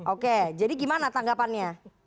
oke jadi gimana tanggapannya